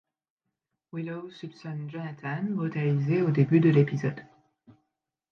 Willow soupçonne Jonathan, brutalisé au début de l'épisode.